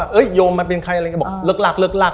เห้ยโยมมันเป็นใครเริ่มเลือกลาก